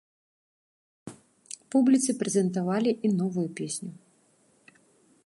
Публіцы прэзентавалі і новую песню.